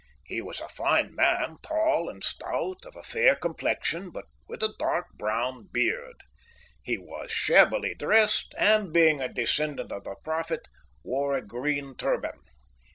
He was a fine man, tall and stout, of a fair complexion, but with a dark brown beard. He was shabbily dressed, and, being a descendant of the Prophet, wore a green turban.